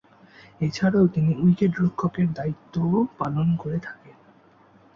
এছাড়াও তিনি উইকেট-রক্ষকের দায়িত্বও পালন করে থাকেন।